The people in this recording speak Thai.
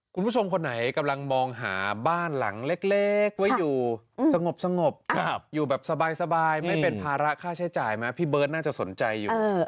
คุณผู้ชมคนไหนกำลังมองหาบ้านหลังเล็กไว้อยู่สงบอยู่แบบสบายไม่เป็นภาระค่าใช้จ่ายไหมพี่เบิร์ตน่าจะสนใจอยู่